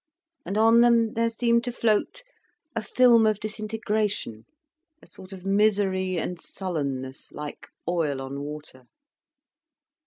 And on them there seemed to float a film of disintegration, a sort of misery and sullenness, like oil on water.